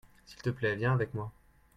s'il te plait viens avec moi.